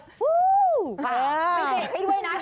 ฮูแป๊บ